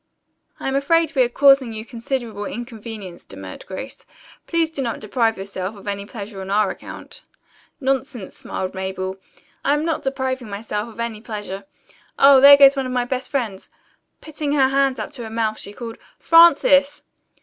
"I am afraid we are causing you considerable inconvenience," demurred Grace. "Please do not deprive yourself of any pleasure on our account." "Nonsense," smiled Mabel. "I am not depriving myself of any pleasure. Oh, there goes one of my best friends!" Putting her hands to her mouth she called, "Frances!"